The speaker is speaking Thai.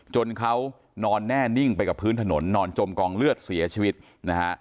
จนเขานอนแน่นิ่งไปกับพื้นถนนนอนจมกองเลือดเสียชีวิตนะฮะ